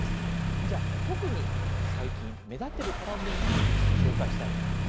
じゃあ、特に最近、目立っているトラブルについて紹介したいと思います。